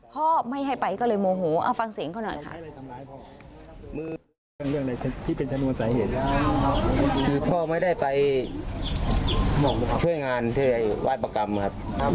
พ่อไม่ให้ไปก็เลยโมโหเอาฟังเสียงเขาหน่อยค่ะ